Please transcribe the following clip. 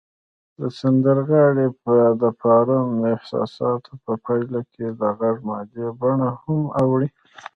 د سندرغاړي د پارندو احساساتو په پایله کې د غږ مادي بڼه هم اوړي